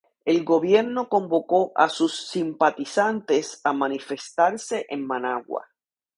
El gobierno convocó a sus simpatizantes a manifestarse en Managua.